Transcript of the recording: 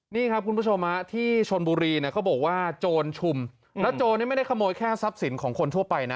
นี่ครับคุณผู้ชมที่ชนบุรีเนี่ยเขาบอกว่าโจรชุมแล้วโจรนี่ไม่ได้ขโมยแค่ทรัพย์สินของคนทั่วไปนะ